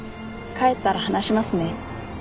帰ったら話しますね。